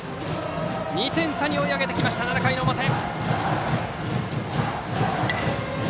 ２点差に追い上げてきた７回の表。